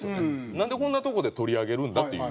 なんでこんなとこで取り上げるんだ？っていう。